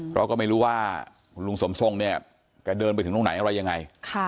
เพราะก็ไม่รู้ว่าคุณลุงสมทรงเนี่ยแกเดินไปถึงตรงไหนอะไรยังไง